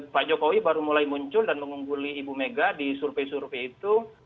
pak jokowi baru mulai muncul dan mengungguli ibu mega di survei survei itu